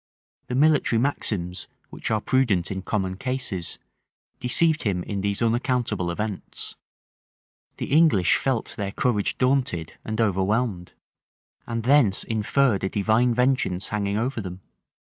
The military maxims which are prudent in common cases, deceived him in these unaccountable events. The English felt their courage daunted and overwhelmed; and thence inferred a divine vengeance hanging over them.